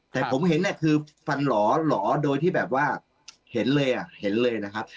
แต่ผมเห็นเนี่ยคือฟันหล่อหล่อโดยที่แบบว่าเห็นเลยอ่ะเห็นเลยนะครับ